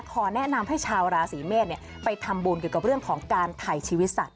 ขอแนะนำให้ชาวราศีเมษไปทำบุญเกี่ยวกับเรื่องของการถ่ายชีวิตสัตว